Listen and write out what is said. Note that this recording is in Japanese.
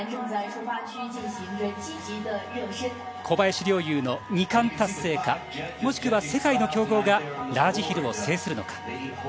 小林陵侑の２冠達成かもしくは世界の強豪がラージヒルを制するのか。